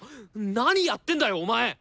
何やってんだよお前！